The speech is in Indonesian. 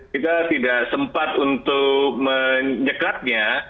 kita tidak sempat untuk menyeklatnya